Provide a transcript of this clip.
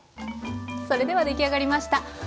それでは出来上がりました。